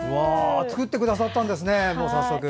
作ってくださったんですね早速。